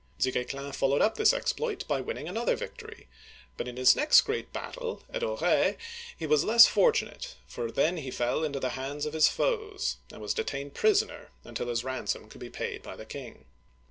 Du Guesclin followed up this exploit by winning another victory; but in his next great battle (at Auray), he was less fortunate, for he then fell into the hands of his foes, and was detained prisoner until his ran som could be paid by the king.